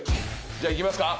じゃあいきますか。